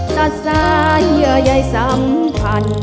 ตัดสายใหญ่สัมพันธ์